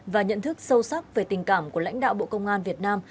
và nhận thức sâu sắc về tình cảm của lãnh đạo bộ công an việt nam